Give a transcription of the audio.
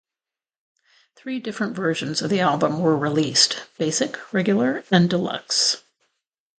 Three different versions of the album were released - Basic, Regular and Deluxe.